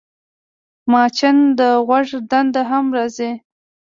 مچان د غوږ دننه هم راځي